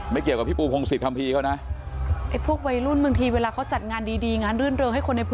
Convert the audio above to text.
ไปดูวิธีกรรมของพวกนี้หน่อยครับ